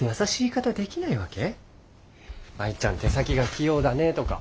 舞ちゃん手先が器用だねとか。